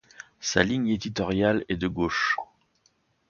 Sa ligne éditoriale est de gauche.